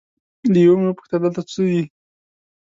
له یوه مې وپوښتل دلته څه دي؟